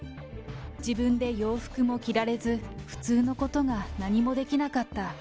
自分で洋服も着られず、普通のことが何もできなかった。